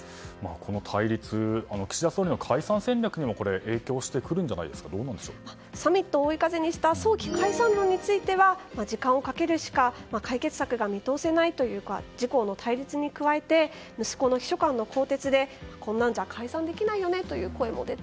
この対立岸田総理の解散戦略にもサミットを追い風にした早期解散論については時間をかけるしか解決策が見通せないというか自公の対立に加えて息子の秘書官の更迭でこんなんじゃ解散できないよね